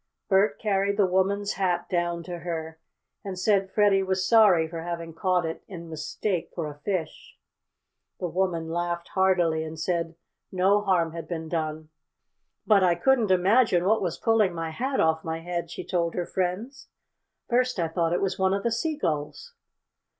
Bert carried the woman's hat down to her, and said Freddie was sorry for having caught it in mistake for a fish. The woman laughed heartily and said no harm had been done. "But I couldn't imagine what was pulling my hat off my head," she told her friends. "First I thought it was one of the seagulls."